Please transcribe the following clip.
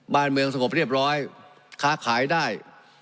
บ้านเมืองสงบเรียบร้อยค้าขายได้